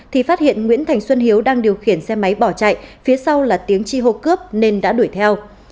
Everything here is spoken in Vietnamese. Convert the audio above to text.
thì phát hiện nguyễn thành xuân hiếu đang điều khiển xe máy bỏ chạy phía sau là tiếng chi hô cướp nên đã đuổi theo